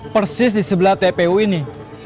persis di sebelah tpu ini